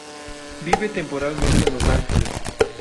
Vive temporalmente en Los Ángeles.